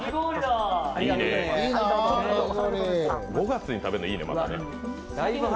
５月に食べるのいいね、また。